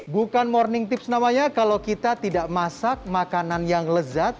bukan morning tips namanya kalau kita tidak masak makanan yang lezat